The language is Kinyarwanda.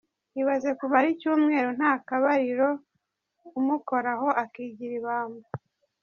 Ibaze kumara icyumweru nta kabariro, umukoraho akigira ibamba.